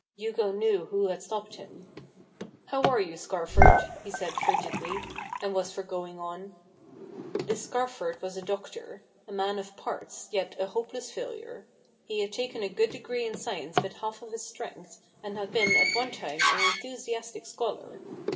Hugo knew who had stopped him. " How are you, Scarford ?*' he said frigidly, and was for going on. This Scarford was a doctor ; a man of parts, yet a hopeless failure. He had taken a good degree in science with half of his strength, and had been, at one time, an enthusiastic scholar.